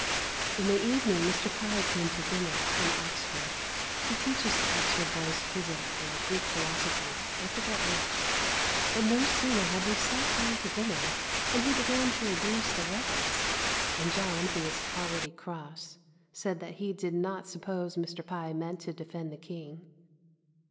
In the evening Mr Pye came to dinner, from Oxford. He teaches the Oxford boys physic or Greek philosophy; I forget which. But no sooner had we sat down to dinner than he began to abuse the rebels, and John, who was already cross, said that he did not suppose Mr Pye meant to defend the King.